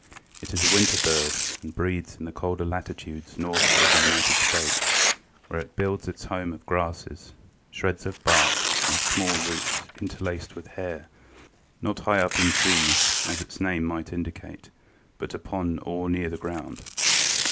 It is a winter bird and breeds in the colder latitudes north of the United States, where it builds its home of grasses, shreds of bark and small roots interlaced with hair, not high up in trees, as its name might indicate, but upon or near the ground.